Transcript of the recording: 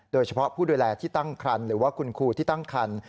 โดยเฉพาะผู้ดูแลที่ตั้งคันหรือว่าคุณครูที่ตั้งคัน